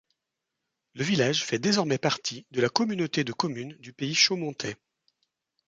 Le village fait désormais partie de la communauté de communes du pays chaumontais.